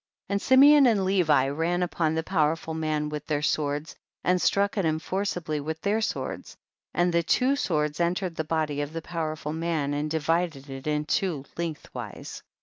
63. And Simeon and Levi ran up on the powerful man with their swords and struck at him forcibly with iheir swords, and the two swords entered the body of the pow erful man and divided it in two, length wise.